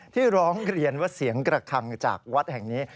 ที่ร้องเรียนว่าเสียงกระคังจากวัดแห่งนี้